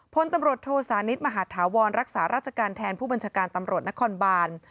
พลตำรวจโทสานิทมหาธาวรรักษาราชการแทนผู้บัญชาการตำรวจนครบาน